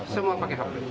semua pakai hp